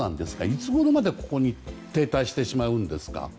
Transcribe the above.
いつごろまでここに停滞してしまうんですか。